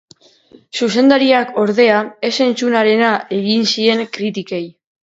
Zuzendariak, ordea, ez entzunarena egin zien kritikei.